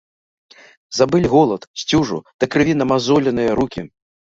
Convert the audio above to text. Забылі голад, сцюжу, да крыві намазоленыя рукі.